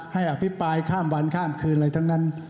อภิปรายข้ามวันข้ามคืนอะไรทั้งนั้น